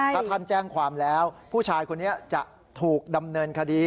ถ้าท่านแจ้งความแล้วผู้ชายคนนี้จะถูกดำเนินคดี